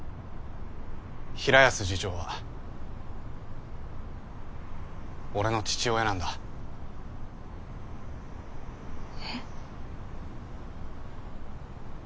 平安次長は俺の父親なんだ。え？